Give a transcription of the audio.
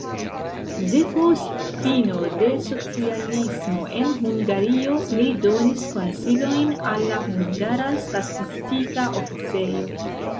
Depost fino de socialismo en Hungario li donis konsilojn al la hungara statistika oficejo.